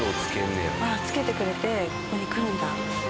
付けてくれてここに来るんだ。